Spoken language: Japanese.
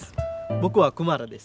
僕はクマラです。